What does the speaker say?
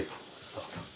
そうそう。